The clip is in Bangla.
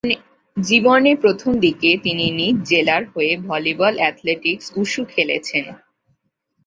জীবনে প্রথম দিকে তিনি নিজ জেলার হয়ে ভলিবল-অ্যাথলেটিকস-উশু খেলেছেন।